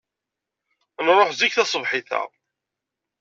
Nṛuḥ zik tasebḥit-a.